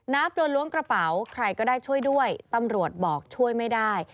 โดนล้วงกระเป๋าใครก็ได้ช่วยด้วยตำรวจบอกช่วยไม่ได้